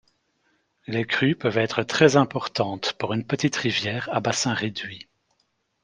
Les crues peuvent être très importantes pour une petite rivière à bassin réduit.